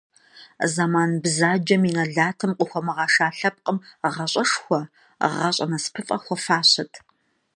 Зэман бзаджэм и нэлатым къыхуэмыгъэша лъэпкъым гъащӀэшхуэ, гъащӀэ насыпыфӀэ хуэфащэт.